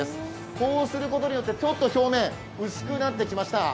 こうすることによって表面薄くなってきました。